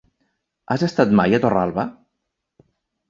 Has estat mai a Torralba?